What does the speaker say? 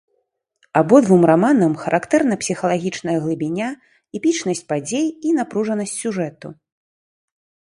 Абодвум раманам характэрна псіхалагічная глыбіня, эпічнасць падзей, і напружанасць сюжэту.